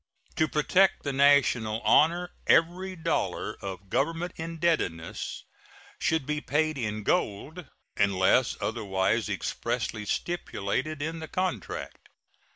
To protect the national honor, every dollar of Government indebtedness should be paid in gold, unless otherwise expressly stipulated in the contract.